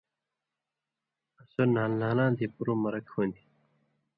آں سو نھال نھالاں دی پُرُو مرک ہُون٘دیۡ۔